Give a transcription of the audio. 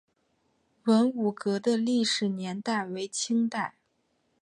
文武阁的历史年代为清代。